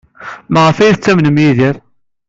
Maɣef ay tettamen Yidir?